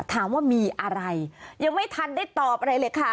ถามว่ามีอะไรยังไม่ทันได้ตอบอะไรเลยค่ะ